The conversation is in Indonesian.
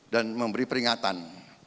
dan memberi peringatan